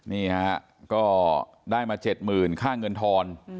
นี่ฮะก็ได้มา๗๐๐๐ค่าเงินทอน